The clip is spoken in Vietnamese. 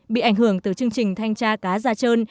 bị ảnh hưởng từ chương trình thanh tra cá gia trơn